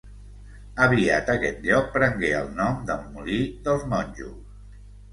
Aviat aquest lloc prengué el nom de molí dels Monjos.